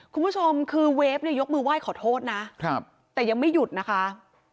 คุณผู้ชมคือเวฟเนี่ยยกมือไหว้ขอโทษนะครับแต่ยังไม่หยุดนะคะ